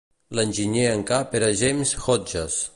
L'enginyer en cap era James Hodges.